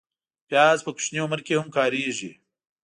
پیاز په کوچني عمر کې هم کارېږي